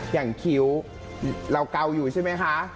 คิ้วเราเกาอยู่ใช่ไหมคะ